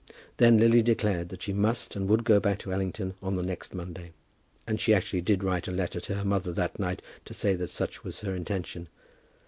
Then Lily declared that she must and would go back to Allington on the next Monday, and she actually did write a letter to her mother that night to say that such was her intention.